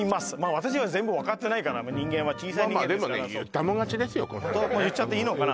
私は全部わかってないから小さい人間ですから言っちゃっていいのかな？